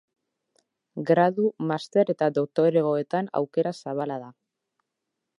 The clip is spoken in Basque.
Gradu, master eta doktoregoetan aukera zabala da.